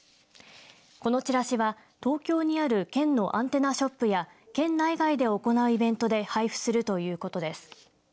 このチラシは東京にある県のアンテナショップや県内外で行うイベントで配布するということです。